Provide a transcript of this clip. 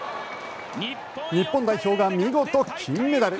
日本代表が見事金メダル。